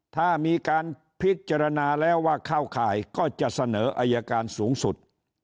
ถ้ามีการพิจารณาแล้วว่าเข้าข่ายก็จะเสนออายการสูงสุด